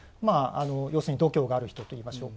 要するに度胸がある人といいましょうか。